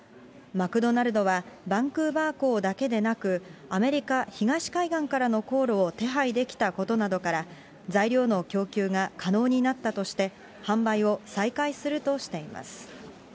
マクドナルドはバンクーバー港だけでなく、アメリカ東海岸からの航路を手配できたことなどから、材料の供給が可能になったとして、販売を再開するとしています。